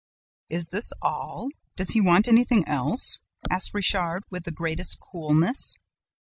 "'Is this all? Does he not want anything else?' asked Richard, with the greatest coolness.